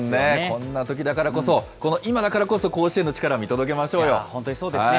こんなときだからこそ、この今だからこそ、甲子園の力を見届けまいやー、本当にそうですね。